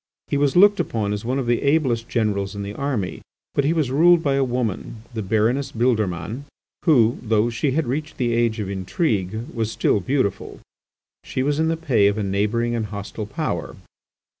He was looked upon as one of the ablest generals in the army, but he was ruled by a woman, the Baroness Bildermann, who, though she had reached the age of intrigue, was still beautiful. She was in the pay of a neighbouring and hostile Power.